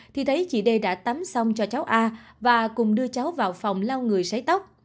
thì thấy chị đê đã tắm xong cho cháu a và cùng đưa cháu vào phòng lao người sấy tóc